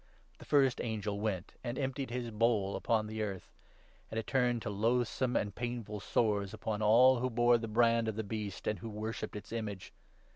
The first angel went and emptied his bowl upon the 2 earth ; and it turned to loathsome and painful sores upon all who bore the brand of the Beast and who worshipped its image.